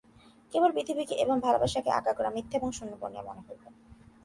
কেবল পৃথিবীকে এবং ভালোবাসাকে আগাগোড়া মিথ্যা এবং শূন্য বলিয়া মনে হইল।